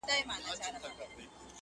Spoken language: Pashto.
چلېدل یې په مرغانو کي امرونه!.